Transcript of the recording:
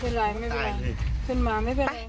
น้องเป็นไรไม่เป็นไร